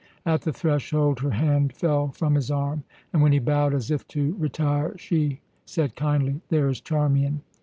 At the threshold her hand fell from his arm, and when he bowed as if to retire, she said kindly: "There is Charmian.